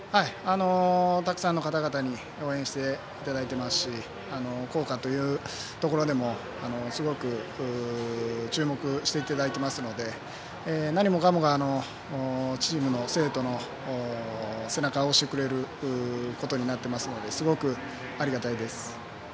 たくさんの方々に応援していただいていますし校歌というところでもすごく注目していただいていますので何もかもがチームの、生徒の背中を押してくれることになっていますのですごくありがたいです。